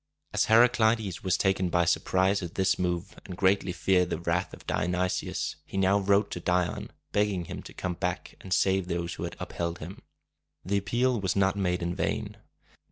As Heraclides was taken by surprise at this move, and greatly feared the wrath of Dionysius, he now wrote to Dion, begging him to come back and save those who had upheld him. The appeal was not made in vain.